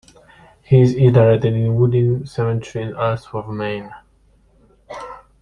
He is interred in Woodbine Cemetery in Ellsworth, Maine.